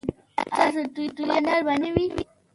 ایا ستاسو تولیه به نرمه نه وي؟